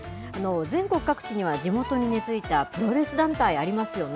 全国各地には、地元に根づいたプロレス団体、ありますよね。